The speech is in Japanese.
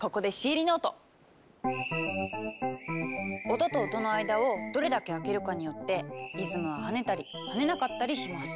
音と音の間をどれだけ空けるかによってリズムは跳ねたり跳ねなかったりします！